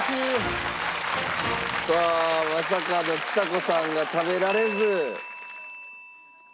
さあまさかのちさ子さんが食べられず。